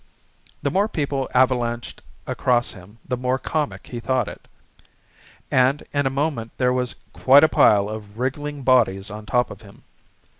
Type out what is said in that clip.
The more people avalanched across him the more comic he thought it. And in a moment there was quite a pile of wriggling bodies on top of him.